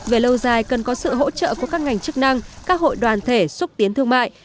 về lâu dài cần có sự hỗ trợ của các ngành chức năng các hội đoàn thể xúc tiến thương mại